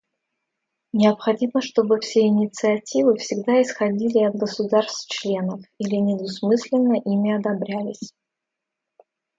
Необходимо, чтобы все инициативы всегда исходили от государств-членов или недвусмысленно ими одобрялись.